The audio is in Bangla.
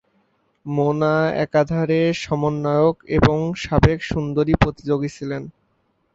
মোনা একাধারে সমন্বয়ক এবং সাবেক সুন্দরী প্রতিযোগী ছিলেন।